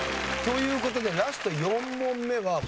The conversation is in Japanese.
という事でラスト４問目は。